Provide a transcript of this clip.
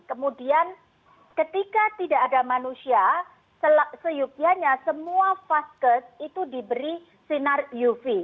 kemudian ketika tidak ada manusia seyokianya semua vaskes itu diberi sinar uv